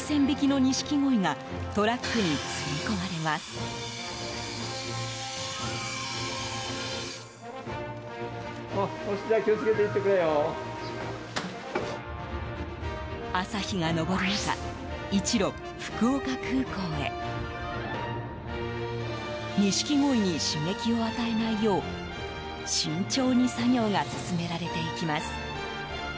ニシキゴイに刺激を与えないよう慎重に作業が進められていきます。